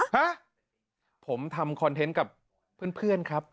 ฮะผมทำคอนเทนต์กับเพื่อนครับ